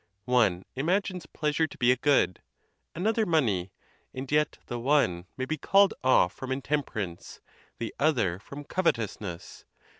One imagines pleasure to be a good, another money; and yet the one may be called off from intemperance, the other from covetousness.